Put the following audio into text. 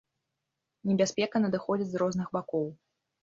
Небяспека надыходзіць з розных бакоў.